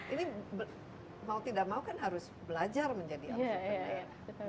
ini mau tidak mau kan harus belajar menjadi entrepreneur